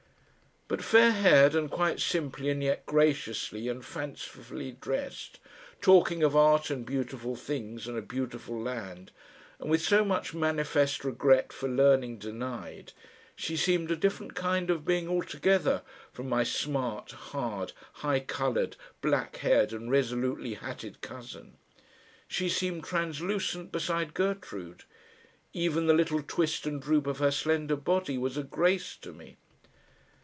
But fair haired and quite simply and yet graciously and fancifully dressed, talking of art and beautiful things and a beautiful land, and with so much manifest regret for learning denied, she seemed a different kind of being altogether from my smart, hard, high coloured, black haired and resolutely hatted cousin; she seemed translucent beside Gertrude. Even the little twist and droop of her slender body was a grace to me.